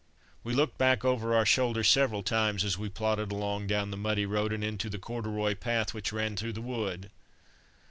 We looked back over our shoulders several times as we plodded along down the muddy road and into the corduroy path which ran through the wood.